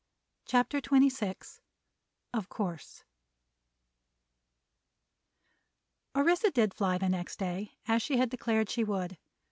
CHAPTER XXVI OF COURSE Orissa did fly the next day, as she had declared she would.